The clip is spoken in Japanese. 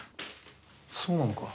そうなのか？